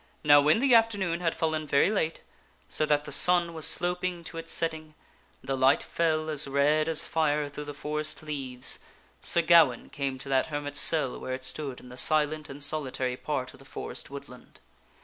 Now when the afternoon had fallen very late, so that the sun was slop ing to its setting, and the light fell as red as fire through the forest leaves, Sir Gawaine came to that hermit's cell where it stood in the silent and solitary part of the forest woodland.